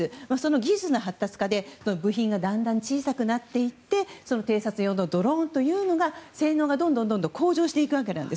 技術の発達化で部品がだんだん小さくなっていって偵察用のドローンが性能がどんどん向上していくわけです。